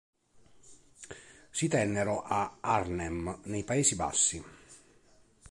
Si tennero a Arnhem, nei Paesi Bassi.